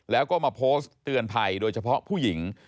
แล้วก็มาโพสต์เตือนภัยโดยเฉพาะผู้หญิง